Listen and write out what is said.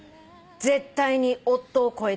「絶対に夫を超えてやる」